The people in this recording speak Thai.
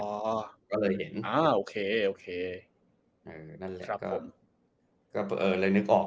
ก็เลยเห็นอ่าโอเคโอเคเออนั่นแหละก็ครับผมก็เออเลยนึกออก